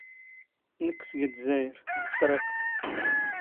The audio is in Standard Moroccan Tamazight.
ⵏⴽⴽ ⵙⴳ ⴷⵣⴰⵢⵔ, ⴳ ⵜⴼⵔⵉⵇⵜ.